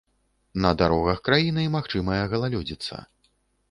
На дарогах краіны магчымая галалёдзіца.